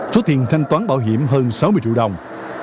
số tiền thanh toán bảo hiểm hơn sáu mươi triệu đồng